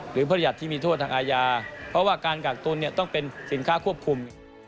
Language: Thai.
ประหยัดที่มีโทษทางอาญาเพราะว่าการกักตุ้นต้องเป็นสินค้าควบคุม